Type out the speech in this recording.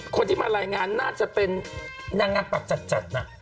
คนที่มารายงานน่าจะเป็นนางงามปากจัดน่ะ